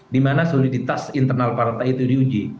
dimana soliditas internal partai itu diuji